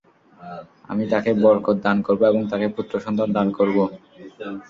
আমি তাকে বরকত দান করব এবং তাকে পুত্র সন্তান দান করব।